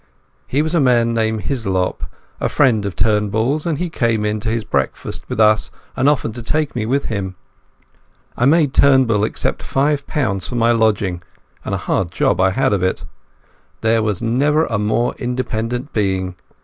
He was a man named Hislop, a friend of Turnbull's, and he came in to his breakfast with us and offered to take me with him. I made Turnbull accept five pounds for my lodging, and a hard job I had of it. There never was a more independent being.